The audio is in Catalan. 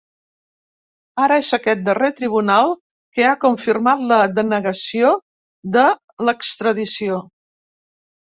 Ara és aquest darrer tribunal que ha confirmat la denegació de l’extradició.